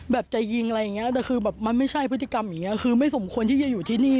แบบจะยิงมันไม่ใช่พฤติกรรมคือไม่สมควรที่จะอยู่ที่นี่